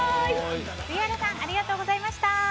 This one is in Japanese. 杉原さんありがとうございました。